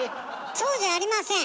そうじゃありません。